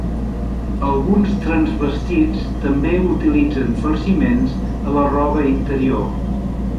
Alguns transvestits també utilitzen farciments a la roba interior.